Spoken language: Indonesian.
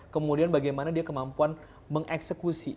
kemudian bagaimana dia kemampuan mengeksekusi